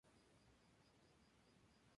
Había muchos burros, pero pocos caballos.